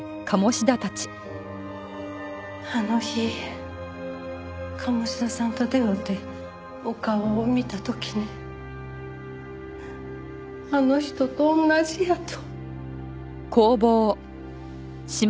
あの日鴨志田さんと出会うてお顔を見た時にあの人と同じやと。